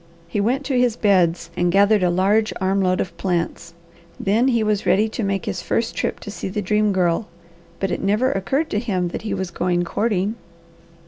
He went to his beds and gathered a large arm load of plants. Then he was ready to make his first trip to see the Dream Girl, but it never occurred to him that he was going courting.